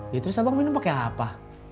ya terus abang minum pakai apa